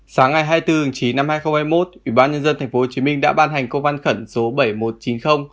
sáng ngày hai mươi bốn chín hai nghìn hai mươi một ubnd tp hcm đã ban hành công văn khẩn số bảy nghìn một trăm chín mươi